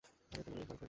আর তোমার ঐ বয়ফ্রেন্ড।